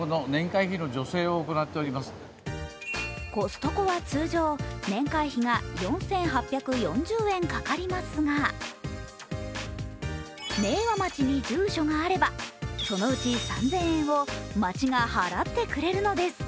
コストコは通常年会費が４８４０円かかりますが、明和町に住所があれば、そのうち３０００円を町が払ってくれるのです。